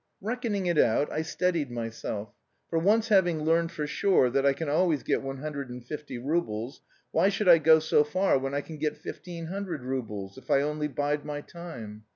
"Reckoning it out, I steadied myself. For once having learned for sure that I can always get one hundred and fifty roubles, why should I go so far when I can get fifteen hundred roubles, if I only bide my time.